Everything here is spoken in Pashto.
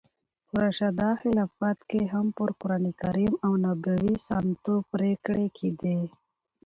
په راشده خلافت کښي هم پر قرانکریم او نبوي سنتو پرېکړي کېدې.